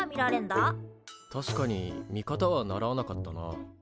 確かに見方は習わなかったな。